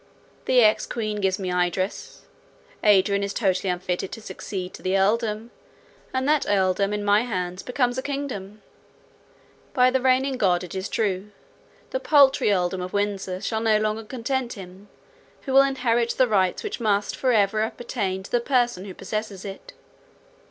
The ex queen gives me Idris; Adrian is totally unfitted to succeed to the earldom, and that earldom in my hands becomes a kingdom. By the reigning God it is true; the paltry earldom of Windsor shall no longer content him, who will inherit the rights which must for ever appertain to the person who possesses it.